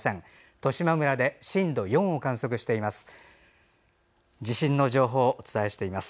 十島村で震度４を観測しています。